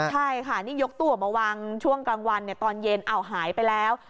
ใช่ค่ะนี่ยกตัวมาวางช่วงกลางวันเนี่ยตอนเย็นอ่าวหายไปแล้ว